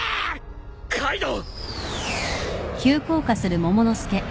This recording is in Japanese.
カイドウ！